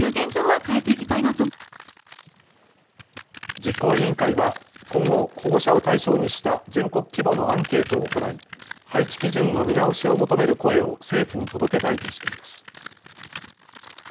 実行委員会は今後、保護者を対象にした全国規模のアンケートを行い配置基準の見直しを求める声を政府に届けたいとしています。